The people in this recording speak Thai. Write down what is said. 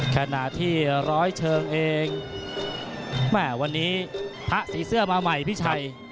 ขณะที่ร้อยเชิงเองแม่วันนี้พระสีเสื้อมาใหม่พี่ชัย